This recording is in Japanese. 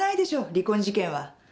離婚事件は。